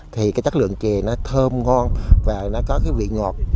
thì cái chất lượng chè nó thơm ngon và nó có cái vị ngọt